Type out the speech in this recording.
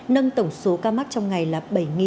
nâng tổng số ca mắc trong ngày là bảy sáu trăm hai mươi